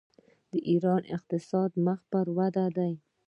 د ایران اقتصاد مخ په وده دی.